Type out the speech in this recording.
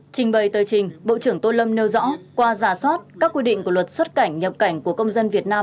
trình bày tờ trình bộ trưởng tô lâm nêu rõ qua giả soát các quy định của luật xuất cảnh nhập cảnh của công dân việt nam